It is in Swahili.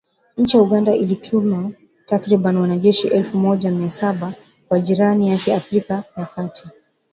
Nchi ya Uganda ilituma takribani wanajeshi elfu moja na mia saba kwa jirani yake wa Afrika ya kati